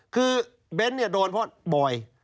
คือเบนโดนเพราะบอย